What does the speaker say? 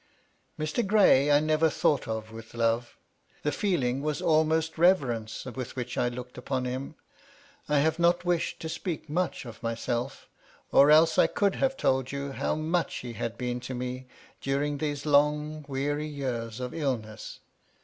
Mr. Gray I never thought of with love ; the feeling was almost reverence with which I looked upon him. I have not wished to speak much of myself, or else I could have told you how much he had been to me during these long, weary years of illness.